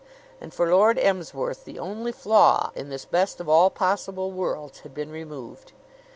And for Lord Emsworth the only flaw in this best of all possible worlds had been removed.